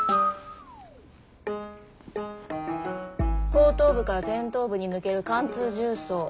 後頭部から前頭部に抜ける貫通銃創。